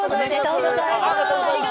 おめでとうございます。